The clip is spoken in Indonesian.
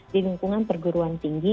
di lingkungan perguruan tinggi